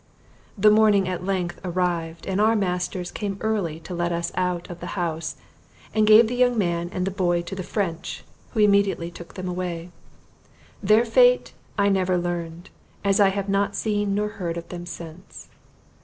The morning at length arrived, and our masters came early and let us out of the house, and gave the young man and boy to the French, who immediately took them away. Their fate I never learned; as I have not seen nor heard of them since.